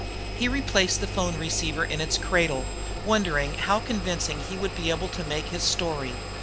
He replaced the phone receiver in its cradle, wondering how convincing he would be able to make his story.